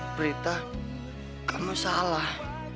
berita kamu salah